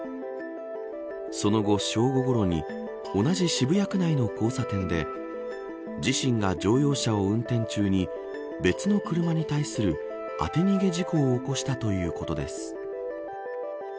その後、正午ごろに同じ渋谷区内の交差点で自身が乗用車を運転中に別の車に対する当て逃げ事故を起こしたということです。